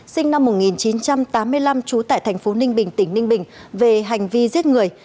sinh năm một nghìn chín trăm tám mươi năm trú tại thành phố ninh bình tỉnh ninh bình về hành vi giết người